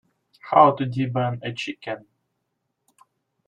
How to debone a chicken.